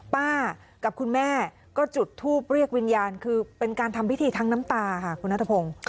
กับคุณแม่ก็จุดทูปเรียกวิญญาณคือเป็นการทำพิธีทั้งน้ำตาค่ะคุณนัทพงศ์